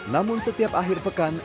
namun setiap akhir pekan